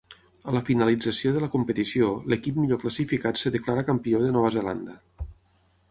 A la finalització de la competició, l'equip millor classificat es declara campió de Nova Zelanda.